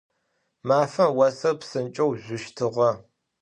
Mafem vosır psınç'eu zjüştığe.